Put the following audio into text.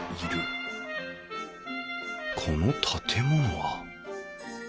この建物は？